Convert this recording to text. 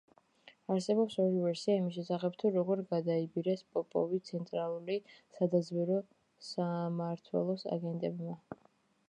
არსებობს ორი ვერსია იმის შესახებ, თუ როგორ გადაიბირეს პოპოვი ცენტრალური სადაზვერვო სამართველოს აგენტებმა.